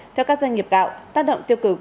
theo các doanh nghiệp gạo tác động tiêu cực